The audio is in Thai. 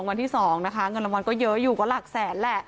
เงินรางวัลก็เยอะอยู่กว่าหลักแสนแหละ